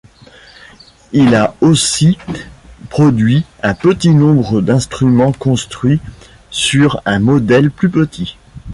Il a aussi produit un petit nombre d'instruments construits sur un modèle plus petit.